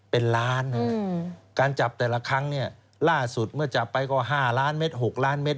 เป็นล้านการจับแต่ละครั้งเนี่ยล่าสุดเมื่อจับไปก็๕ล้านเม็ด๖ล้านเม็ด